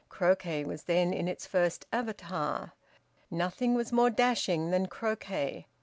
Croquet was then in its first avatar; nothing was more dashing than croquet.